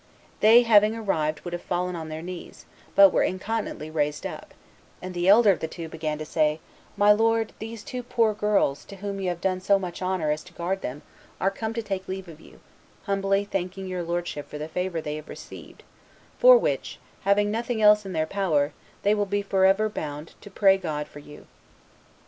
They, having arrived, would have fallen on their knees, but were incontinently raised up, and the elder of the two began to say, 'My lord, these two poor girls, to whom you have done so much honor as to guard them, are come to take leave of you, humbly thanking your lordship for the favor they have received, for which, having nothing else in their power, they will be for ever bound to pray God for you.